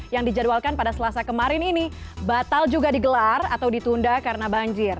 yang dijadwalkan pada selasa kemarin ini batal juga digelar atau ditunda karena banjir